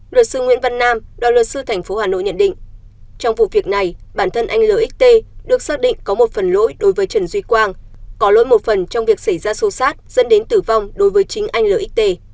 luật sư nguyễn văn nam đoàn luật sư thành phố hà nội nhận định trong vụ việc này bản thân anh lxt được xác định có một phần lỗi đối với trần duy quang có lỗi một phần trong việc xảy ra xô xát dân đến tử vong đối với chính anh lxt